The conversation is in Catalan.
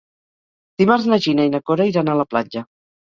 Dimarts na Gina i na Cora iran a la platja.